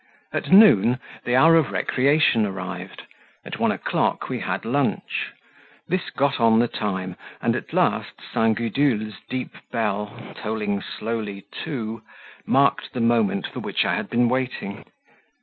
At noon the hour of recreation arrived; at one o'clock we had lunch; this got on the time, and at last St. Gudule's deep bell, tolling slowly two, marked the moment for which I had been waiting.